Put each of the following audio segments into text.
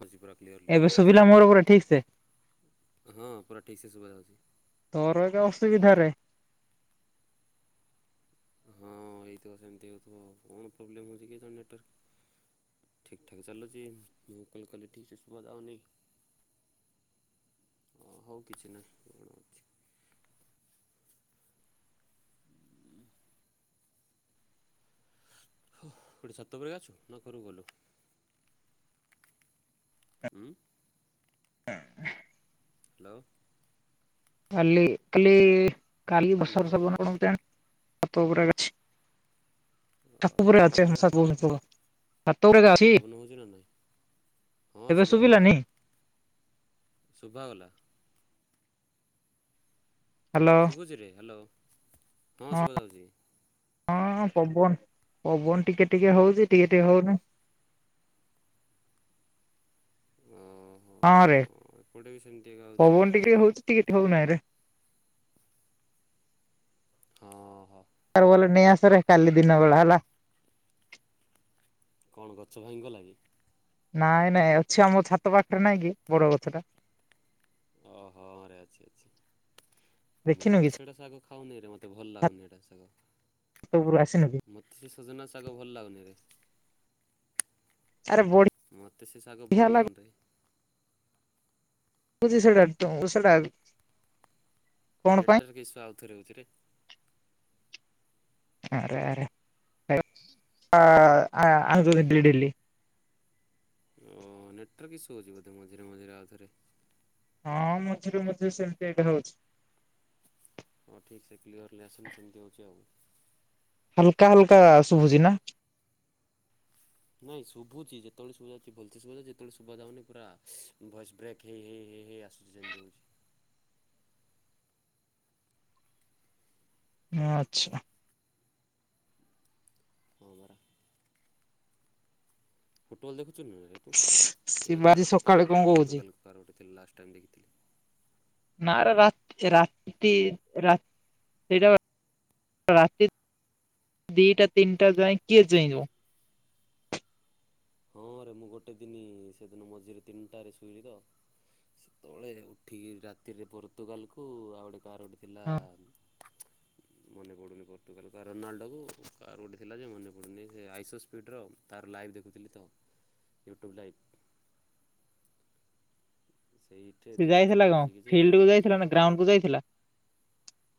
ହେଉଛି ପୁରା କ୍ଲିଅରଲି ତ ଏବେ ଶୁଭିଲା ମୋର ପୁରା ଠିକ୍ ସେ? ହଁ ପୁରା ଠିକ୍ ସେ ଶୁଭା ଯାଉଛି। ଘର ଏବେ ଅସୁବିଧା ରେ। ହଁ ହେଇଥିବ ସେମିତି ହଉଥିବ। କଣ ପ୍ରୋବ୍ଲେମ ହଉଛି କି ନେଟୱାର୍କ ଠିକ୍ ଠାକ୍ ଚାଲୁଛି। ମୁଁ କଲ୍ କଲି ଠିକ୍ ସେ ଶୁଭା ଯାଉନି। ହୁଁ ହଁ କିଛି ନାହିଁ। କଣ ଅଛି। ହୁଁ। [unintelligible] [unintelligible] ହ୍ୟାଲୋ। କାଲି କାଲି କାଲି ହ୍ୟାଲୋ ବଷଷ ବଣଣି ଟା। [unintelligible] ପାତ ପବନ ଗୁରାକେ ହେଉଛି ନା ନାହିଁ ଅଛି। ବୁଝିଲ ନାଇଁ ହଁ ଏବେ ଶୁଭାଗଲା, ଶୁଭିଲାନି ଶୁଭାଗଲା। ହ୍ୟାଲୋ ଶୁଭୁଛିରେ ହାଲୋ ହଁ ଶୁଭାଯାଉଚି। ହଁ ହଁ ପବନ ପବନ ଟିକେ ଟିକେ ହୋଉଚି ଟିକେ ଟିକେ ହୋଉନାଇଁ। ଓହୋ! ଓ ଏପଟେ ବି ସେମତିକା ହୋଉଚି। ଟିକେ ଟିକେ ହଉଛି। ଏଠି କୀତ୍ ହଉନାଇଁରେ। ହଁଅଁ ହ। [unintelligible] ଭଲେରେ ନେଇ ଆସରେ କାଲି ଦିନ ବେଳା ହେଲା। କଣ ଗଛ ଭାଙ୍ଗିଗଲା କି? ନାଇଁ ନାଇଁ ଅଛି ଆମ ଛାତ ପାଖେରେ ନାଇଁ କି ବର ଗଛ ଟା। ଅ ହଁରେ ଅଛି ଅଛି। ମୁଁ ଦେଖିନୁ କି ସେଇଟା ଶାଗ ଖାଉନିରେ ମତେ ଭଲ୍ ଲାଗୁନି ଏଟା ଶାଗ। ଛାତ ଓପୁରୁ ଆସିନ କି? ମତସେ ସଜନା ଶାଗ ଭଲ୍ ଲାଗୁନି ରେ। ଆରେ ବଢି ମତେ ସେ ଶାଗ ଭଲ୍ ଲାଗନ୍ତା କି। [unintelligible] କଣ ପାଇଁ ନେଟୱାର୍କ ଇସୁ ଆଉଥରେ ହୋଉଚିରେ। ଆରେ ଆରେ, [unintelligible] ଡେଲି। ହଁ ନେଟୱାର୍କ ଇସୁ ହୋଉଚି ବୋଧେ ମଝିରେ ମଝିରେ ଆଉଥରେ। ହଁଅଁ ମଝିରେ ମଝିରେ ସେମତି ଏଇଟା ହୋଉଛି। ହଁ ଠିକ୍ ସେ କ୍ଲିୟର ଲେହାସିନ ସେମତି ହେଉଛି ଆଉ। ହାଲକା ହାଲକା ଶୁଭୁଚି ନା। ନାଇଁ ଶୁଭୁଛି ଯେତେବେଳ ଶୁଣିଆର ଥିବ ଭଲସେ ଶୁଭାଯାଉଛି ଯେତେବେଳେ ଶୁଭାଯାଉନି ପୁରା ଭଏସ୍ ବ୍ରେ କେ ହେଇ ହେଇ ହେଇ ହେଇ ହେଇ ହେଇ ଆସୁଛି ଯେମତି ହୋଉଛି। ଆଚ୍ଛା। ହଁ ବରା। ଫୁଟୁବଲ ଦେଖୁଚୁନାରେ ହେ ତୁ ଏବେ କାର୍ ଶିବାଜୀ ଗୋଟେ ଥିଲା ସକାଳେ କଣ ଯୋଉ କହୁଛି ପର୍ତ୍ତୁାଗାଲ କାର୍ ଗୋଟେ ଥିଲା ଲାଷ୍ଟ୍ ଟାଇମ୍ ଦେଖିଥିଲି। ନା ଏ ରାତ୍ ରାତି ରା ସେଇଟା ରାତି ଦିଟା ତିନଟା ଯାଏ କିଏ ଚେଇଁବ? ହଁରେ ମୁଁ ଗୋଟେ ଦିନି ସେଦିନ ମଝିରେ ତିନଟାରେ ଶୋଇଲି ତ। ସେ ତଳେ ଉଠିକି ରାତିରେ ପର୍ତୁଗାଲକୁ ଆଉ ଗୋଟେ କାର ଗୋଟେ ହଁ ଥିଲାମ୍। ମନେ ପଡ଼ୁନି ପର୍ତ୍ତୁଗାଲ କାର ରୋନାଲଡୋକୁ କାଆର ଗୋଟେ ଥିଲା ଯେ ମନେ ପଡ଼ୁନି ସେ ଆଇଶ ସ୍ପିଡ଼ର ତାର ଲାଇଭ୍ ଦେଖୁଥିଲି ତ ୟୁଟ୍ୟୁବ୍ ଲାଇଭ୍। ସେଇଠେ ସେ ଯାଇଥିଲା ଦେଖୁଥିଲି କଣ ବସିକି ଯେ, ଫିଲ୍ଡ କୁ ଯାଇଥିଲା ସେ ନା ଗ୍ରାଉଣ୍ଡ କୁ ଯାଇଥିଲା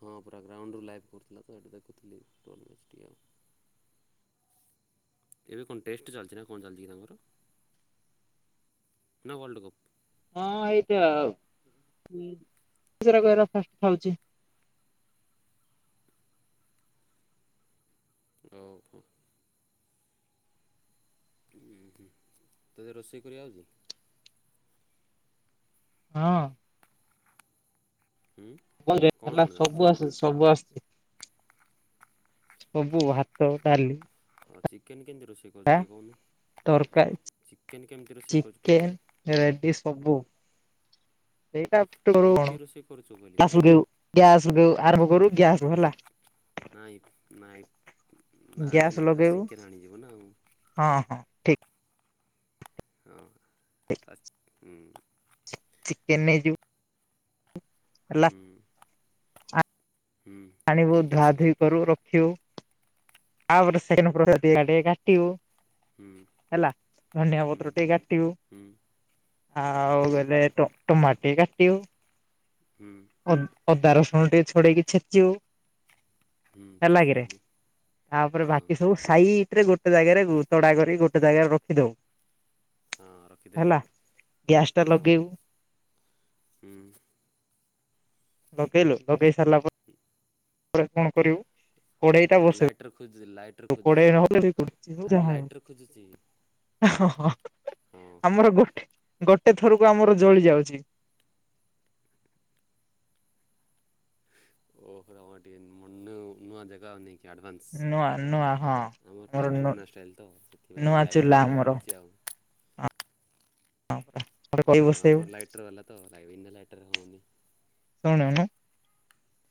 ହଁ ପୁରା ଗ୍ରାଉଣ୍ଡରୁୁ ଲାଇଭ୍ କରୁଥିଲା ତ ସେଇଠି ଦେଖୁଥିଲି, ଟୋଲ୍ ମ୍ୟାଚ୍ ଟିକେ ଆଉ। ଏବେ କଁ ଟେଷ୍ଟ ଚାଲଚି ନା କଁ ଚାଲଚି କି ତାଙ୍କର? ନା ୱାଲଡ଼ କପ୍। ହଁ ଏଇଟା ଆଉ ମୁଁ ସେରାକୁ ଏରା ଫଷ୍ଟ୍ ଖାଉଚି। ଅଉ ହୋ। ଉଁ ହୁଁ, ତୋତେ ରୋଷେଇ କରିଆ ଆଉଚି। ହଁଅଁ। ହୁଁ [unintelligible] କଣ ହେଲା କଣ ଆସୁଛି? ସବୁ ଆସ ସବୁ ଆସୁଚି। ସବୁ ଭାତ ଡାଲି ହଁ ଚିକେନ୍ କେମିତି ରୋଷେଇ କରଚୁ ଟିକେ କହୁନୁ ତରକାରୀ ଚିକେନ୍ କେମିତି ରୋଷେଇ କରଚୁ ଟିକେ ଚିକେନ କହିଲୁ? ରେଡି ସବୁ [unintelligible] କମିତି ରୋଷେଇ କରୁଛୁ ବୋଲି କହିଲେ ଗ୍ୟାସ ରୁ ଆରମ୍ଭ କରୁ ଗ୍ୟାସ ହେଲା। ଫାଷ୍ଟ ନାଇଁ ନାଇଁ ନାଇଁ ଗ୍ୟାସ୍ ନାଇଁ ଫାସ ଲଗେଇବୁ ଚିକେନ ଆଣି ଯିବ ନା ଆଉ। ହଁ ହଁ। ଠିକ୍ ହଁ। ହୁଁ। ଚିକେନ ନେଇ ଯିବୁ ହୁଁ। ହୁଁ ଆଣିବୁ ନେଇକି ଧୁଆ ଆସିଲି ଧୁଇ କରୁ ରଖିବୁ। ତା ପରେ ସେକେଣ୍ଡ ପ୍ରୋସେସ [unintelligible] କାଟିବୁ ହୁଁ ହେଲା ଧନିଆ ପତ୍ର ଟିକେ କାଟିବୁ। ହୁଁ ଆଉ କାଟିଲି ବେଲେ ଏ ଟ ଟମାଟ ଟେ କାଟିବୁ। ହୁଁ। ଅଦା ରସୁଣ ଟିକେ ଛଡେଇକି ଛେଚିବୁ। ହୁଁ ହେଲା କିିରେ? ଛେଚିଦେଲି ତାପରେ ହଁ ବାକି ସବୁ ସାଇଟ ରେ ଗୋଟେ ଜାଗାରେ ତଡା କରି ଗୋଟେ ଜାଗାରେ ରଖି ଦଉ। ହଁ ରଖିଦେଲି ହେଲା ଗ୍ୟାସ ତା ହଁ ଲଗେଇବୁ। ହୁଁ। ଲଗେଇଲୁ ଲଗେଇ ସରିଲା ପ ତା ପରେ କଣ କରିବୁ? କଡେଇ ହଁ ଟା ନାଇଁ ବସେଇବୁ ଲାଇଟ୍ର ଖୋଜୁ ଲାଇଟ୍ର କଡେଇ ଖୋଜୁଚି ଲାଇଟ୍ର ନହେଲେ ଆରେ ଲାଇଟ୍ର ଖୋଜୁଚି। ହ ଆମର ଗୋଟେ ଗୋଟେ ଥରକୁ ଆମର ଜଳି ଯାଉଚି। [unintelligible] କି ଆଡ଼ଭାନ୍ସ ନୂଆ ନୂଆ ହଁ। ଆମର ଟିକେ ପୁରୁଣା ଷ୍ଟାଇଲ୍ ତ ସେଥିପାଇଁ ନୂଆ ଲାଇଟର ଚୁଲା ଆଣିବାକୁ ଆମର ପଡ଼ୁଚି ଆଉ। କଡେଇ ଓ ବସେଇବୁ ଆମର ଲାଇଟର ବାଲା ତ ବିନା ଲାଇଟର ରେ ହଉନି। ଶୁଣୁନୁ।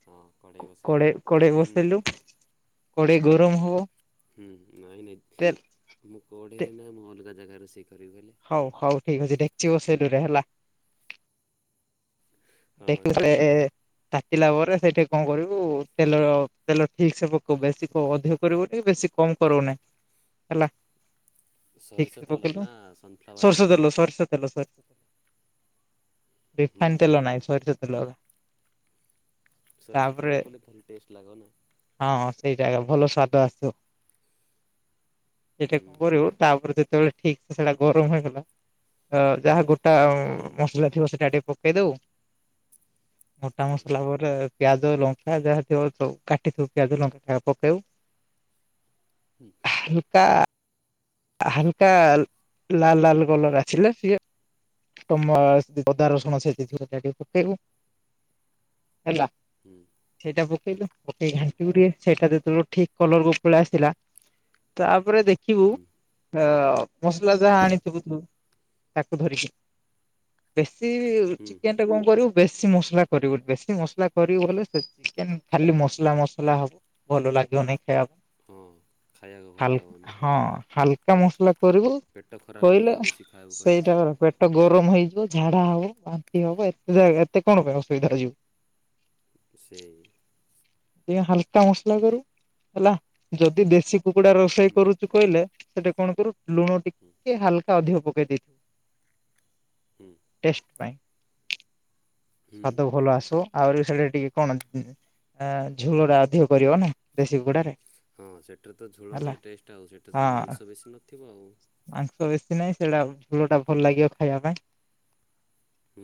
ହଁ କଣ? କଡେ କଡେଇ ବସେଇଲୁ କଡେଇ ଗରମ ହବ। ହୁଁ ନାଇଁ ତେ ନାଇଁ ମୁଁ ତେ କଉ଼ିରେ ନାଁ ମୁଁ ଅଲଗା ଜାଗା ରୋଷେଇ କରିବି ବୋଇଲେ? ହଉ ହଉ ଠିକ୍ ଅଛି ଡେକଚି ବସେଇଲୁ ରେ ହେଲା। ହଁ [unintelligible] ତାକିଲା ପରେ ସେଇଠି କଣ କରିବୁ ତେଲ ତେଲ ଠିକ ସେ ପକ ବେଶୀ ଅଧିକ କରିବୁ ଟ ବେଶୀ କମ କରବୁ ନେଇ ହେଲ। ସୋରିଷ ଠିକ ତେଲ ନା [unintelligible] ସନଫ୍ଲାୱାର୍ ଶୋରଷ ତେଲ ଶୋରଷ। ହୁଁ ରିଫାଇନ୍ ତେଲ ନାହିଁ ସରିଷ ତେଲ। ସରିଷ ତାପରେ ତେଲରେ କଲେ ଭଲ ଟେଷ୍ଟ ଲାଗ ନା। ହଁ ସେଇଟା [unintelligible] ଭଲ ସ୍ଵାଦ ଆସିବ। ସେଇଟା ହୁଁ କଣ କରିବୁ ତାପରେ ଯେତେବେଳେ ଠିକ ସେ ସେଟା ଗରମ ହେଇଗଲା ଯାହା ଗୋ ହୁଁ ମସଲା ଥିବ ସେଇଟା ଟିକେ ପକେଇ ଦଉ ମୋଟା ହୁଁ ମସଲା ବୋଇଲେ ପିଆଜ ଲଙ୍କା ଯାହା ଥିବ ସବୁ କାଟିଥିବ ପିଆଜ ଲଙ୍କା ପକେଇଉ। ହୁଁ। ହଲକା ହାଲକା ଲାଲ ଲାଲ କଲର ଆସିଲେ ସିଏ [unintelligible] ଅଦା ରସୁଣ ଛେଚିଥିବୁ ତାକୁ ପକେଇବୁ ହେଲା। ହୁଁ ସେଇଟା ପକେଇଲୁ ପକେଇକି ହୁଁ ଘାଟିି [unintelligible] ସେଇଟା ଯେତେବେଳେ ଠିକ୍ କଲରକୁ ପଳାଇ ଆସିଲା ତାପରେ ଦେଖିବୁ। ହୁଁ ଅ ମସଲା ଯାହା ଆଣିଥିବୁ ତୁ ତାକୁ ଧରିକି। ବେଶୀ ହୁଁ ଚିକେନ୍ ଗଟେ କଣ କରିବୁ ବେଶୀ ମସଲା କରିବୁ ବେଶୀ ମସଲା କରିବୁ ହେଲେ ବଲେ ସେ ଚିକେନ ଖାଲି ମସଲା ମସଲା ହବ। ଭଲ ଲାଗିବନି ଖାଇବାକୁା ହଁ ଖାଇବାକୁ ହା ଭଲ ଲାଗୁନି ହଁ ହାକା ମସଲା କରିବୁ ପେଟ ଖରାପ କହିଲେ ହେଇଯିବ ବେଶୀ ଖାଇବାକୁ କହିଲେ ସେଇଟା [unintelligible] ପେଟ ଗରମ ହେଇଯିବ ଝାଡ଼ା ହବ ବାନ୍ତି ହବ ଏତେ ଏତେ କଣ ପାଇଁ ଅସୁବିଧାରେଯିବୁ। ସେ ଟିକିଏ ହାଲକା ମସଲା କରୁବୁ ହେଲା ଯଦି ଦେଶୀ କୁକୁଡା ରୋଷେଇ ହୁଁ କରୁଚୁ। କହିଲେ ସେଟା କଣକରୁ ଲୁଣ ଟିକିଏ ହାଲ୍କା ଅଧିକ ପକେଇ [unintelligible] ହୁଁ ଟେଷ୍ଟ ପାଇଁ। ହୁଁ ସ୍ଵାଦ ଭଲ ଆସିବ ଆହୁରି ସେଇଟା ଟିକେ କଣ ଆ ଝୋଳ ଟା ଅଧିକ କରିବ ନା ଦେଶୀ କୁକୁଡାରେ। ହଁ ସେଠାରେ ତ ଝୋଳ ହେଲା ଟେ ଟେଷ୍ଟ ଆଉ ସେଠା ହଁ ତ ମାଂସ ବେଶୀ ନଥିବ ଆଉ। ମାଂସ ବେଶୀ ନାହିଁ ସେଇଟା ଝୋଳ ଟା ଭଲ ଲାଗିବ ଖାଇବା ପାଇଁ। ହୁ।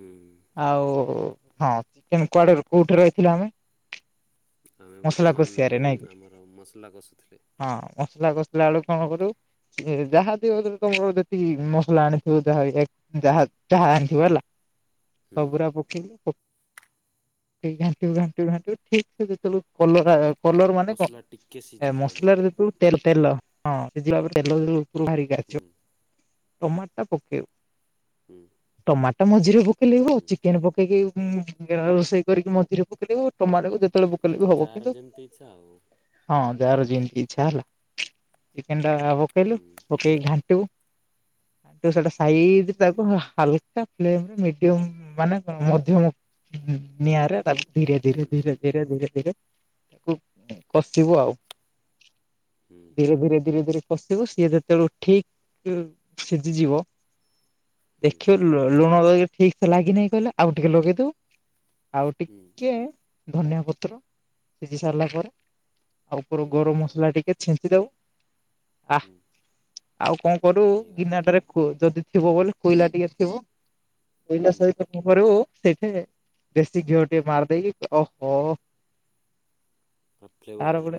ଆଉ ହଁ ଚିକେନ୍ କୁଆଡେ କୋଉଠି ରହିଥିଲ ଆମେ? ଆମେ ମସଲା କଷିଆରେ ନାଇଁ କି ବର୍ତ୍ତମାନ ଆମର ମସଲା କଷୁଥିଲେ। ହଁ ମସଲା କସୁଥୁଲା ବେଳକୁ କଣ କରିବୁ ଯେ ଯାହା [unintelligible] ତମର ଯେତିକି ମସଲା ଆଣିଥିବ ଯାହା ଯାହା ଯାହା ଆଣିଥିବ ହେଲା। ହୁଁ। ସବୁରା ପକେଇବୁ ପ [unintelligible] ଘାଣ୍ଟିବୁ ଘାଣ୍ଟିବୁ ଘାଣ୍ଟିଵୁ ଠିକ୍ ସେ ଯେତେବେଳକୁ କଲର କଲର ମାନେ କ ମସଲା ଟିକେ ଏ ସିଝିଯିବ ମସଲା ନାଇକି ଯେତୁ ତେ ତେଲ। ହୁଁ [unintelligible] ଟମାଟ ଟା ପକେଇବୁ। ହୁଁ। ଟମାଟ ମଝିରେ ପକେଇଲେ ହୁଁ ହଉ ଚିକେନ ପ ପେଇକି ରୋଷେଇ କରିକି ମଝିରେ ପକେଇଦେବୁ ଟମାଟ କୁ ଯେତେବେଳେ ପ ଯାହାର [unintelligible] ଯେମିତି ଇଚ୍ଛା ଆଉ। ହଁ ଯାହାର ଯେମିତି ଇଚ୍ଛା ହେଲା ଚିକେନ ଟା ପକେଇଲୁ। ହୁଁ ପକେଇ ଘାଣ୍ଟିବୁ ସେଟା ସାଇଯୀ ତା ହାଲ୍କା ପ୍ଲେନ୍ ମିଡିୟମ ମାନେ ମଧ୍ୟମ ନିଆଁରେ ତା ଧୀରେ ହୁଁ ଧୀରେ ଧୀରେ ତାକୁ କଷିବୁ ଆଉ। ହୁଁ ଧୀରେ ଧୀରେ କସିବୁ ସିଏ ଯେ [unintelligible] ବେଳୁ ଠିକ୍ ସିଝିଯିବ ହୁଁ ଦେଖିବୁ। ଲୁଣ ଠିକ୍ ସେ ଲାଗିିନହିଁ କହିଲା ଆଉ ଟିକେ ଲଗେଇଦବୁ ଆଉ ହୁଁ ଟିକେ ଧନିଆ ପତ୍ର ସିଝି ସାରିଲା ପରେ। ଉପରୁ ଗରମ ମସଲା ଟିକେ ଛିଞ୍ଚିଦବୁ ଆଁ। ହୁଁ ଆଉ କଣ କରୁବୁ ହେଇଗଲା ଗିନାଟାରେ କୋ ଯଦି ଥିବ ବୋଲି କୋଇଲା ଟିକେ ଥିବ। ହୁଁ। [unintelligible] ଦେଶୀ ଘିଅ ଟେକିଏ ମାରିଦେଇକି ଓହୋ। ତାର ଗୋଟେ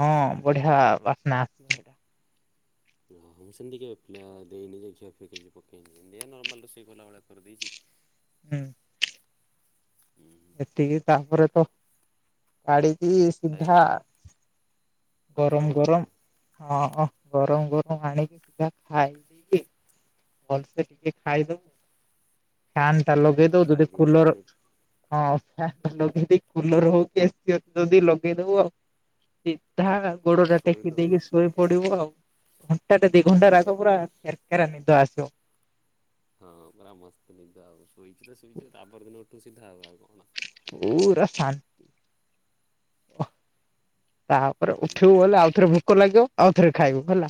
ହଁ ବଢିଆ ବାସ୍ନା। ହଁ ହଁ ମୁଁ ସେମିତି କେବେ ଦେଇନି ଘିଅ ଫିଅ କିଛି ପକେଇନି ଏମିତିଆ ନର୍ମାଲ ରୋଷେଇ କଲାଭଳିଆ କରିଦେଇଚି। ହୁଁ। ହୁଁ ଟିକେ ତାପରେ ତ କାଡିକି ଖାଇବ ସିଧା ଗରମ ଆକ୍ରମଣ ଆଉ। ଗରମ ହଁ ହଁ ଗରମ ଗରମ ଆଣିକି ସିଧା ଖାଏ। ଭଲସେ ଟିକେ ଖାଇଦଉ ଫ୍ୟାନ୍‌ ଟା ଲଗେଇ ଆଉ ଦବୁ ଯଦି ଖାଇଦେଇକି କୁଲର ପାଣି ହଁ ଫ୍ୟାନ ଲଗେଇ ଦେଇ କୁଲର ହଉ କି ଏସି ଅଛି ଯଦି ଲଗେଇଦବୁ ଆଉ। ସିଧା ପୁରା ଗୋଡ ଟା ଟେକି ଶୋଇଲୁ ଆଉ ଦେଇକି ଶୋଇ ପଡିବୁ ଆଉ। ଘଣ୍ଟା ଟା ଦିଇ ଘଣ୍ଟା ହୁଁ। ରାଗ ପୁରା କେରେ କେରା ନିଦ ଆସିବ। ହଁ ପୁରା ମସ୍ତନିଦ ଆଉ ଶୋଇଚୁ ତ ଶୋଇଚୁ ତାପର ଦିନ ଉଠୁ ସିଧା। ଆଉ କଣ ପୁରା ଶାନ୍ତ। ଓ ତାପରେ ହୁଁ ଉଠିବୁ ବୋଲେ ଆଉଥରେ ଭୋକ ଲାଗିବ ଆଉଥରେ ଖାଇବୁ ହେଲା।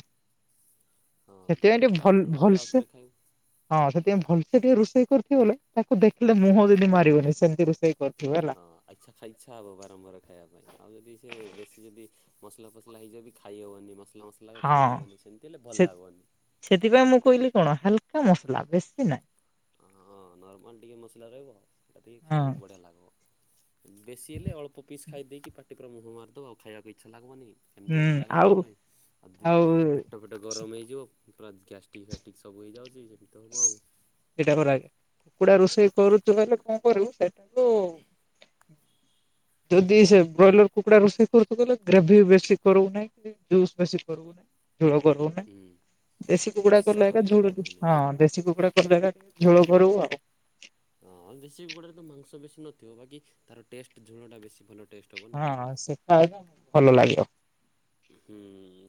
ହଁ ଭୋକ ସେଥିପାଇଁ ଟିକେ ଲାଗିଲେ ଭଲ୍‌ ଆଉଥରେ ଉଠିକି ଭଲସେ ଆଉଥରେ ଖାଇବୁ। ହଁ ସେଥିପାଇଁ ଭଲସେ ଟିକେ ରୋଷେଇ କରୁଥିବ ବୋଲେ ତାକୁ ଦେଖିଲେ ମୁହଁ ଯଦି ମାରିବନି ସେମିତି ରୋଷେଇ କରି ହଁ ଆଇଛା ଖାଇଚ୍ଛା ହବ ବାର ମ୍ବାର ଖାଇଆ ପାଇଁ ଆଉ ଯଦି ସେ ବେଶୀ ଯଦି ମସଲା ଫସଲା ହେଇଯିବ ବି ଖାଇହବନି ମସଲା ମସଲା ହଁ ଖାଇହବନି ସେମିତି ହେଲେ ସେ ଭଲ ଲାଗୁବନି। ସେଥିପାଇଁ ମୁଁ କଇଲି କଣ ହାଲକା ମସଲା ବେଶୀ ନାଇଁ। ହଁ ନର୍ମାଲ ଟିକେ ମସଲା ରହିବ ସେତିକି ହଁ ଖାଇବୁ ବଢ଼ିଆ ଲାଗିବ। ବେଶୀ ହେଲେ ଅଳ୍ପ ପିସ୍ ଖାଇ ଦେଇକି ପାଟି ପୁରା ମୁହଁ ମାରିଦବ ଆଉ ଖାଇଆକୁ ଇଚ୍ଛା ଲାଗବନି। କେମିତି ହୁଁ କେମିତି ଲାଗିବ ଆଉ ଖାଇଆ ପାଇଁ ଆଉ ଦି ଆଉ ପେଟ୍ ପେଟ ଫେଟ ଗରମ ହେଇଯିବ ପୁରା ଗ୍ୟାଷ୍ଟିକ୍ ଫ୍ୟାଷ୍ଟିକ୍ ସବୁ ହେଇଯାଉଚି ସେମିତି ତ ହବ ଆଉ। ସେଟା ବ ରାଇ କୁକୁଡା ରୋଷେଇ କରୁଥୁବ ହେଲେ କଣ କରିବୁ? ସେଇଟାକୁ ଯଦି ସେ ବଏଲର୍ କୁକୁଡ଼ା ରୋଷେଇ କରୁଥିବ ହେଲେ ଗ୍ରେଭି ବେଶୀ କରିବୁନାଇଁ। ଜୁସ୍ ବେଶୀ କରୁନାହି ଝୋଳ କରୁନା ହୁଁ ଦେଶୀ କୁକୁଡା କଷା କଲେ ଏକା କରିକି ଝୋଳ ଖାଇଦବୁ ନେଇକି। ଦେଶୀ କୁକୁଡ଼ା କରିଲେ ଏକା ଝୋଳ କରିବୁ ଆଉ। ହଁ ଦେଶୀ କୁକୁଡ଼ା ର ତ ମାଂସ ବେଶୀ ନଥିବ ବାକି ତାର ଟେଷ୍ଟ ଝୋଳ ଟା ବେଶୀ ଭଲ ଟେଷ୍ଟ। ହେବ ନା। ହଁ ହଁ ସେଟା ଆହୁରି ଭଲ ଲାଗିବ। ହୁଁ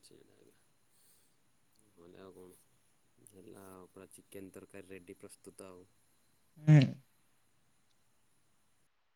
ସେଇଟା ଏକା। ବୋଲେ ଆଉ କଣ ହେଲା ଆଉ ପୁରା ଚିକେନ୍‌ ତରକାରୀ ରେଡ଼ି ପ୍ରସ୍ତୁତ ଆଉ। ହୁଁ।